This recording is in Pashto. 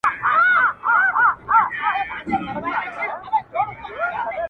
• دا ستا خبري مي د ژوند سرمايه.